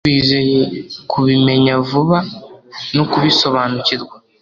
twizeye kubimenya vuba no kubisobanukirwa